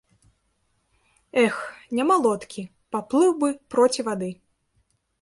Эх, няма лодкі, паплыў бы проці вады.